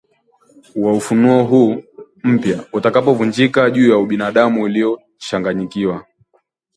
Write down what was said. wa ufunuo huu mpya utakapovunjika juu ya ubinadamu uliochanganyikiwa